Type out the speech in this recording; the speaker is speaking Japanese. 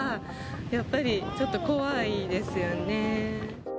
やっぱりちょっと怖いですよね。